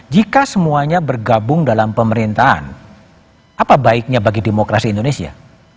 jika semuanya bergabung dalam pemerintahan apa baiknya bagi demokrasi indonesia